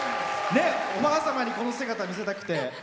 おばあ様に、この姿を見せたくて。